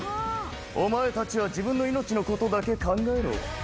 お前たちは自分の命のことだけ考えろ。